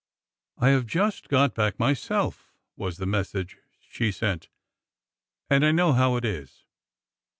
I have just got back myself," was the message she sent, and I know how it is